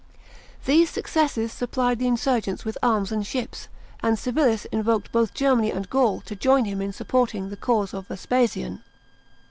These successes supplied the insurgents with arms and ships, and Civilis invoked both Germany and Gaul to join him in supporting the cause of Vespasian.